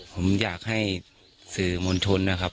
ผมอยากให้สื่อมวลชนนะครับ